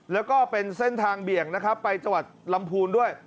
แล้วก็เป็นเส้นทางเบี่ยงนะครับไปจังหวัดลำพูนด้วย